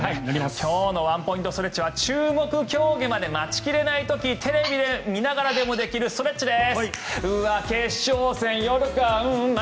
今日のワンポイントストレッチは注目競技まで待ち切れない時テレビを見ながらでもできるストレッチです。